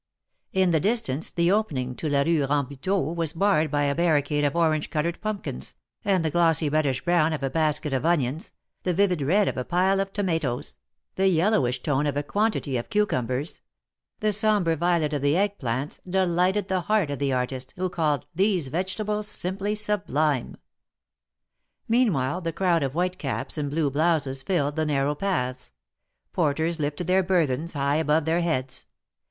In the distance the opening to la Rue Rambuteau was barred by 50 THE MARKETS OF PARIS. a barricade of orange colored pumpkins, and the glossy reddish brown of a basket of onions, the vivid red of a pile of tomatoes, the yellowish tone of a quantity of cucum bers, the sombre violet of the egg plants, delighted the heart of the artist, who called "these vegetables simply sublime." Meanwhile the crowd of white caps and blue blouses filled the narrow paths ; porters lifted their bur thens high above their heads.